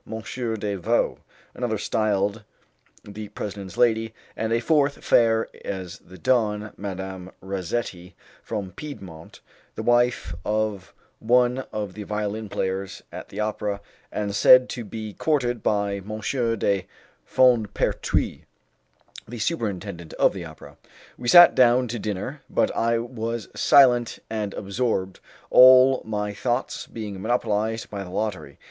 de Vaux, another styled the President's lady, and a fourth, fair as the dawn, Madame Razzetti, from Piedmont, the wife of one of the violin players at the opera, and said to be courted by M. de Fondpertuis, the superintendent of the opera. We sat down to dinner, but I was silent and absorbed, all my thoughts being monopolized by the lottery.